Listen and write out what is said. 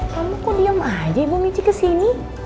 kamu kok diam aja ibu michi ke sini